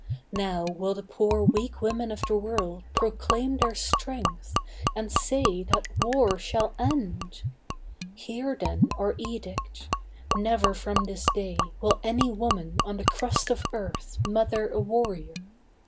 Now will the poor weak women of the world Proclaim their strength, and say that war shall end. Hear, then, our edict: Never from this day Will any woman on the crust of earth Mother a warrior.